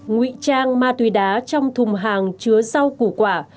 ngụy trang ma túy đá trong thùng hàng chứa rau củ quả